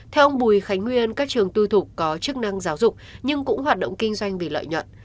theo ông bùi khánh nguyên các trường tư thục có chức năng giáo dục nhưng cũng hoạt động kinh doanh vì lợi nhuận